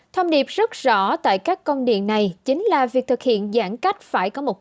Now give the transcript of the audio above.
thông điệp rất rõ tại các công điện này chính là việc thực hiện giãn cách